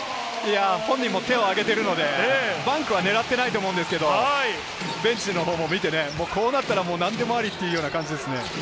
本人も手をあげているので、ダンクは狙ってないと思うんですけど、ベンチのほうを見て、もうこうなったら何でもありっていう感じですね。